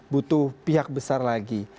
butuh pihak besar lagi